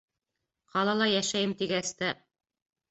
Ҡалала йәшәйем тигәс тә.